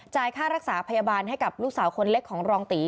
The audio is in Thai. ค่ารักษาพยาบาลให้กับลูกสาวคนเล็กของรองตี